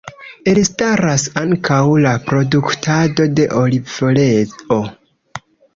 Elstaras ankaŭ la produktado de olivoleo.